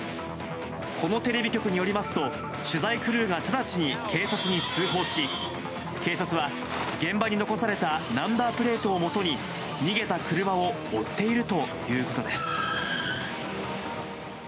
このテレビ局によりますと、取材クルーが直ちに警察に通報し、警察は、現場に残されたナンバープレートをもとに、逃げた車を追っているということです。